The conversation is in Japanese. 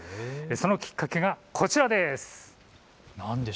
そのきっかけがこちらです。